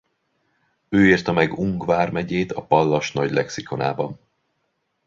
Ő irta meg Ung vármegyét a Pallas nagy lexikonában.